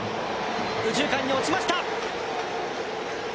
右中間に落ちました。